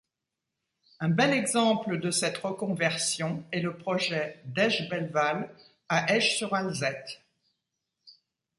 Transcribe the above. Un bel exemple de cette reconversion est le projet d'Esch-Belval, à Esch-sur-Alzette.